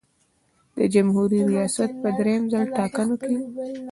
د جمهوري ریاست په دریم ځل ټاکنو کې.